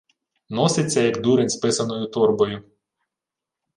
Носиться, як дурень з писаною торбою.